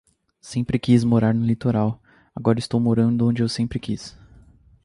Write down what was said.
Sempre quis morar no litoral. Agora estou morando onde eu sempre quis